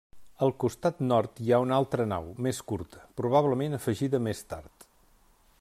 Al costat nord hi ha una altra nau, més curta, probablement afegida més tard.